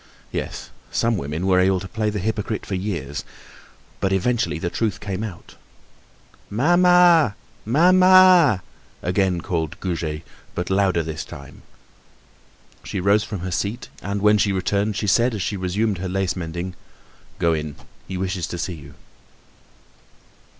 Yes, some women were able to play the hypocrite for years, but eventually the truth came out. "Mamma! Mamma!" again called Goujet, but louder this time. She rose from her seat and when she returned she said, as she resumed her lace mending: "Go in, he wishes to see you."